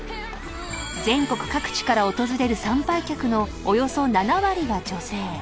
［全国各地から訪れる参拝客のおよそ７割は女性］